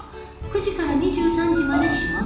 ９時から２３時まで仕事。